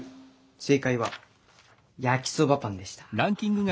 正解は焼きそばパンでした。